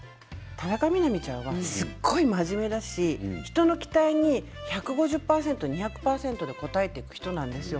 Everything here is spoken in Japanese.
田中みな実ちゃんはすごく真面目だし人の期待に１５０％、２００％で応えていく人なんですよ。